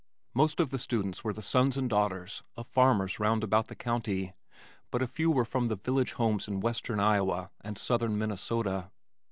Most of the students were the sons and daughters of farmers round about the county, but a few were from the village homes in western Iowa and southern Minnesota.